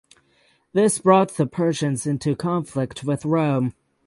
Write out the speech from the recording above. This brought the Persians into conflict with Rome.